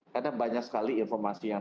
karena banyak sekali informasi yang